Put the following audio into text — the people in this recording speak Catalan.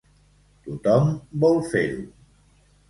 Tothom vol fer-ho.